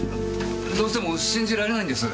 どうしても信じられないんです。